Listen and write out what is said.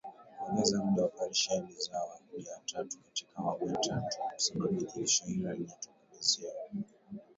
kuongeza muda wa operesheni zao za kijeshi katika awamu ya tatu, kwa sababu tishio hilo halijatokomezwa